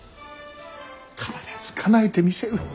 必ずかなえてみせる。